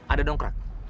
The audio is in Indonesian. ada dong krat